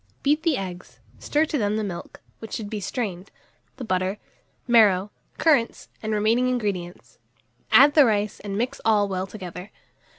Beat the eggs, stir to them the milk, which should be strained, the butter, marrow, currants, and remaining ingredients; add the rice, and mix all well together.